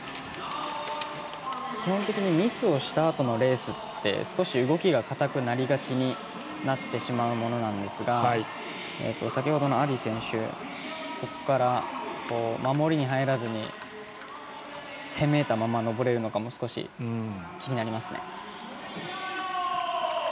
基本的にミスをしたあとのレースって少し動きが硬くなりがちになってしまうものなんですが先ほどのアディ選手守りに入らずに攻めたまま登れるのか少し気になりますね。